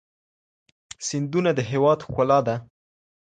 سیندونه د هیواد ښکلا ده.